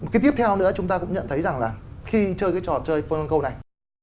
cái tiếp theo nữa chúng ta cũng nhận thấy rằng là khi chơi cái trò chơi pokemon go này